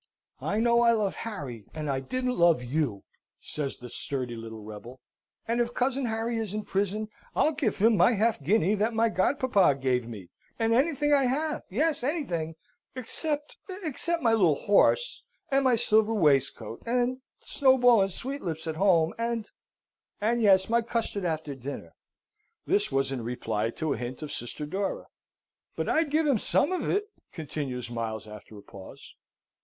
"I know I love Harry, and I didn't love Hugh," says the sturdy little rebel. "And if cousin Harry is in prison, I'll give him my half guinea that my godpapa gave me, and anything I have yes, anything, except except my little horse and my silver waistcoat and and Snowball and Sweetlips at home and and, yes, my custard after dinner." This was in reply to a hint of sister Dora. "But I'd give him some of it," continues Miles, after a pause.